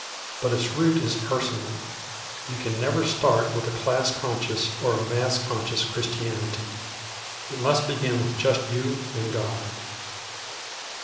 But its root is personal. You can never start with a class conscious or a mass conscious Christianity. It must begin with just you and God.